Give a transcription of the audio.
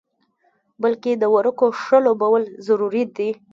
بلکې د ورقو ښه لوبول ضروري دي.